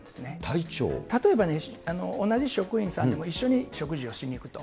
例えばね、同じ職員さんでも一緒に食事をしに行くと。